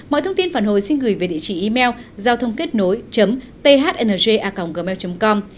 mọi thông tin phản hồi xin gửi về địa chỉ email giao thôngkếtnối thnja gmail com